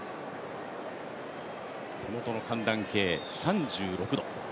手元の寒暖計３６度。